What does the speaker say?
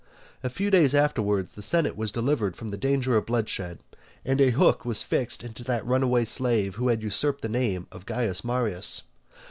A few days afterwards the senate was delivered from the danger of bloodshed, and a hook was fixed into that runaway slave who had usurped the name of Caius Marius.